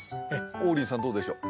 王林さんどうでしょう？